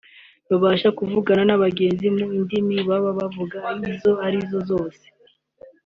babashe kuvugana n’abagenzi mu ndimi baba bavuga izo ari zo zose